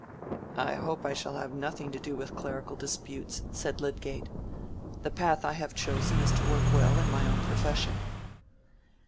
"I hope I shall have nothing to do with clerical disputes," said Lydgate. "The path I have chosen is to work well in my own profession."